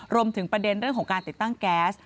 รวมถึงประเด็นเรื่องของการติดตั้งแก๊ส